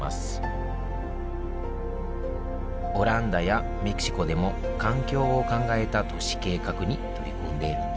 オランダやメキシコでも環境を考えた都市計画に取り組んでいるんだ